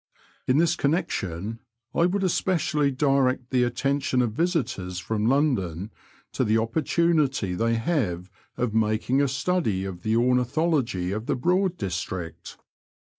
In this con nection I would especially direct the attention of visitors &om London to the opporbunity they have of making a study of the ornithology of the Broad district.